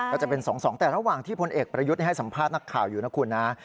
ก็จะเป็น๒๒แต่ระหว่างที่พลเอกประยุทธ์ให้สัมภาษณ์นักข่าวอยู่นะคุณนะ